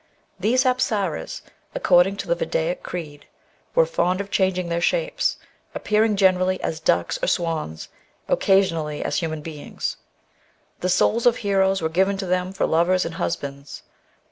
These apsaras, according to the Vedaic creed, were fond of changing their shapes, appearing generally as ducks or swans, occasionally as human beings. The souls of heroes were given to them for lovers and husbands.